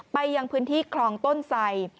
ไปอย่างพื้นที่ครองต้นไส้